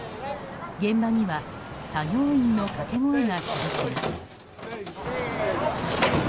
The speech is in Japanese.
現場には作業員のかけ声が響きます。